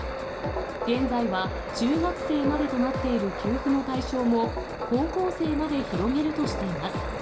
現在は、中学生までとなっている給付の対象も、高校生まで広げるとしています。